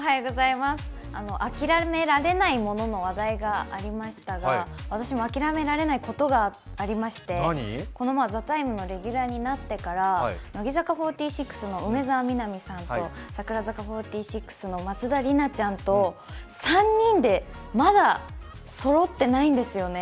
諦められないものの話題がありましたが、私も諦められないことがありまして、この「ＴＨＥＴＩＭＥ，」のレギュラーになってから乃木坂４６の梅澤美波さんと櫻坂４６の松田里奈ちゃんと３人でまだそろってないんですよね。